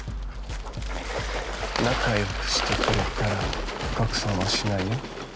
仲よくしてくれたら拡散はしないよ